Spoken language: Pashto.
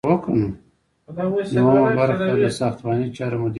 دوهم برخه د ساختماني چارو مدیریت دی.